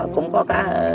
cũng có cá